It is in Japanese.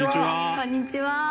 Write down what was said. こんにちは。